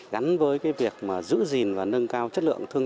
gắn với việc giữ gìn và nâng cao chất lượng